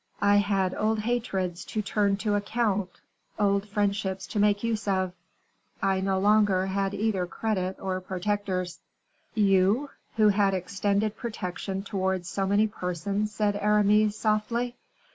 I had old hatreds to turn to account, old friendships to make use of; I no longer had either credit or protectors." "You, who had extended protection towards so many persons," said Aramis, softly.